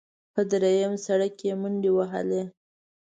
په درېیم سړک کې منډې ووهلې.